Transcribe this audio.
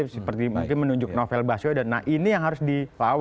seperti mungkin menunjuk novel bahas yoya nah ini yang harus dilawan oleh kita semua